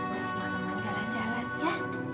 masih ngalaman jalan jalan ya